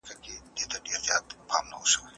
آیا پوهېږئ چې استراحت د بدن د ترمیم لپاره اړین دی؟